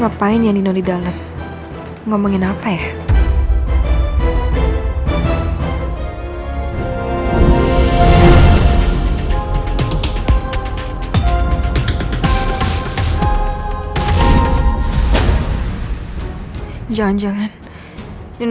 apa ada sesuatu yang gak bisa aku jelasin